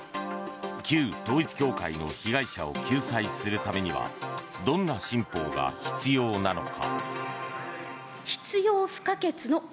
旧統一教会の被害者を救済するためにはどんな新法が必要なのか。